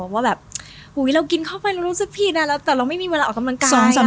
ว่าแบบหูยเรากินเข้าไปแล้วรู้สึกผิดแต่เราไม่มีเวลาออกกำลังกาย